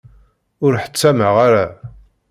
Ur ḥtammeɣ ara.